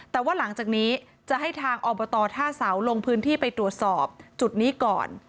แต่ว่าหลังจากนี้จะให้ทางอบตท่าเสาลงพื้นที่ไปตรวจสอบจุดนี้ก่อน